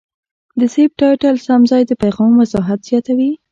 د سبټایټل سم ځای د پیغام وضاحت زیاتوي.